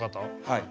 はい。